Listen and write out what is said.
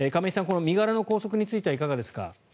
この身柄の拘束についてはいかがですか？